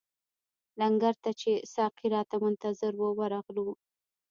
لنګر ته چې ساقي راته منتظر وو ورغلو.